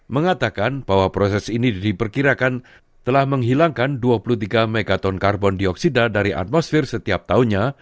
mengatakan bahwa proses ini diperkirakan telah menghilangkan dua puluh tiga megaton karbon dioksida dari atmosfer setiap tahunnya